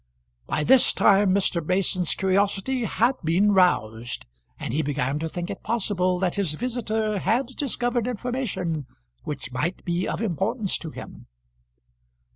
By this time Mr. Mason's curiosity had been roused, and he began to think it possible that his visitor had discovered information which might be of importance to him.